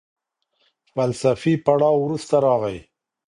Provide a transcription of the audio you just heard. فلسفي پړاو وروسته راغی.